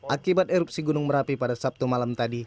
akibat erupsi gunung merapi pada sabtu malam tadi